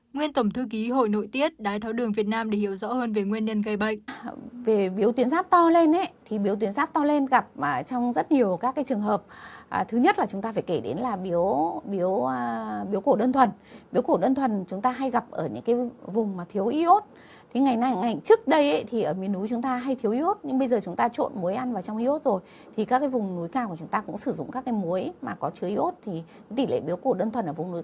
nguyên tổng thư ký hội nội tiết đại tháo đường việt nam để hiểu rõ hơn về nguyên nhân gây bệnh